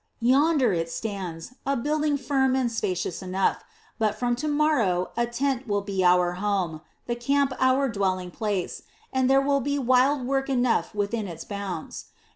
Yonder it stands, a building firm and spacious enough; but from to morrow a tent will be our home, the camp our dwelling place, and there will be wild work enough within its bounds.